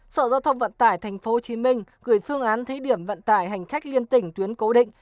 sở giao thông vận tải thành phố hồ chí minh gửi phương án thí điểm vận tải hành khách liên tỉnh tuyến cố định